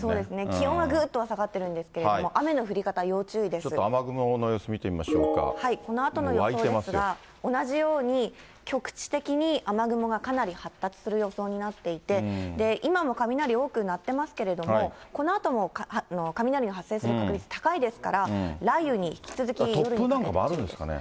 気温はぐーっと下がっているんですけど、雨の降り方、要注意ちょっと雨雲の様子、見てみこのあとの様子ですが、同じように局地的に雨雲がかなり発達する予想になっていて、今も雷多く鳴ってますけれども、このあとも雷の発生する確率高いですから、突風なんかもあるんですかね。